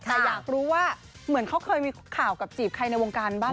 แต่อยากรู้ว่าเหมือนเขาเคยมีข่าวกับจีบใครในวงการบ้าง